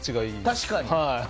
確かに。